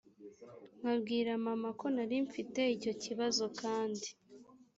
nkabwira mama ko nari mfite icyo kibazo kandi